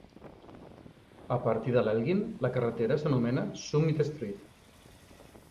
A partir d'Elgin, la carretera s'anomena Summit Street.